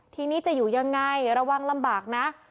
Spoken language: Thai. ทีนี้จะอยู่ยังไงระวังลำบากนะ